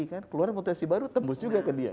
keluar mutasi baru tembus juga ke dia